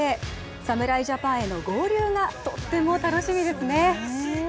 侍ジャパンへの合流がとっても楽しみですね。